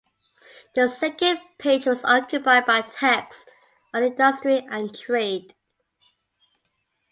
The second page was occupied by texts on "Industry and Trade".